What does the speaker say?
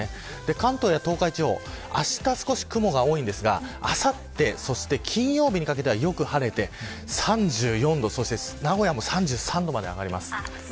関東や東海地方あした、少し雲が多いですがあさって、そして金曜日にかけては、よく晴れて３４度そして名古屋も３３度まで上がります。